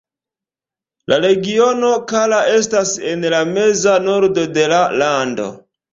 La regiono Kara estas en la meza nordo de la lando.